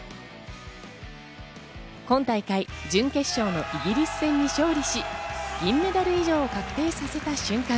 今大会、準決勝のイギリス戦に勝利し、銀メダル以上を確定させた瞬間